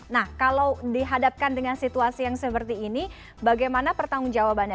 nah kalau dihadapkan dengan situasi yang seperti ini bagaimana pertanggung jawabannya